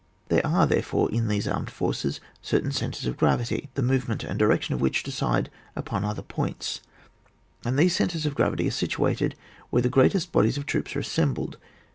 There are, therefore, in these armed forces cer tain centres of gravity, the movement and direction of which decide upon other points, and these centres of gravity are situated where the greatest bodies of troops are assembled.